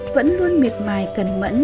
vẫn luôn miệt mài cẩn mẫn